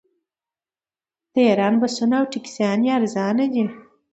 د ایران بسونه او ټکسیانې ارزانه دي.